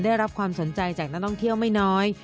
ได้รับความสนใจจากนักท่องเที่ยวไม่น้อย